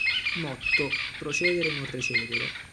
Motto: "Procedere non recedere".